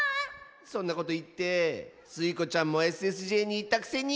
そんなこといってスイ子ちゃんもＳＳＪにいったくせに。